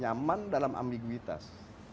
nyaman dalam ambiguitas